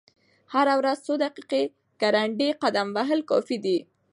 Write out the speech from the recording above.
هره ورځ څو دقیقې ګړندی قدم وهل کافي دي.